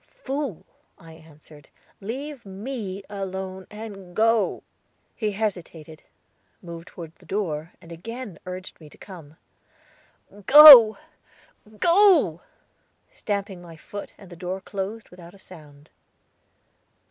"Fool," I answered; "leave me alone, and go." He hesitated, moved toward the door, and again urged me to come. "Go! go!" stamping my foot, and the door closed without a sound.